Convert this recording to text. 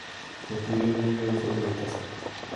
Construye un nido en forma de taza.